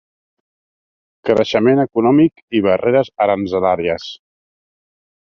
Creixement econòmic i barreres aranzelàries.